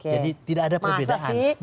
jadi tidak ada perbedaan